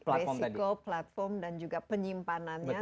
resiko platform dan juga penyimpanannya